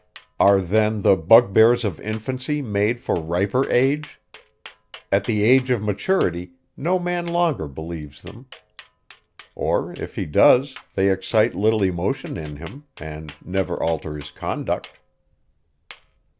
Are then the bugbears of infancy made for riper age? At the age of maturity, no man longer believes them, or if he does, they excite little emotion in him, and never alter his conduct.